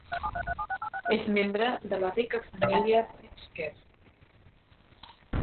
És membre de la rica família Pritzker.